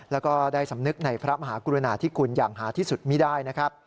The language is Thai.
แล้วก็ได้สำนึกในพระมหากรุณาที่คุณอย่างหาที่สุดไม่ได้นะครับ